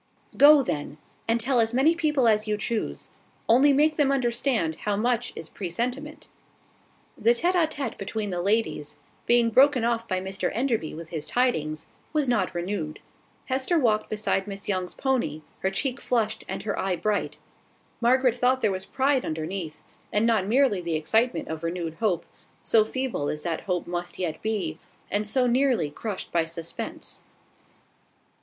"Go, then; and tell as many people as you choose: only make them understand how much is presentiment." The tete a tete between the ladies, being broken off by Mr Enderby with his tidings, was not renewed. Hester walked beside Miss Young's pony, her cheek flushed, and her eye bright. Margaret thought there was pride underneath, and not merely the excitement of renewed hope, so feeble as that hope must yet be, and so nearly crushed by suspense.